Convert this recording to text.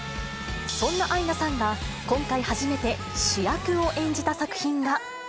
そんなアイナさんが、今回初めて、主役を演じた作品が。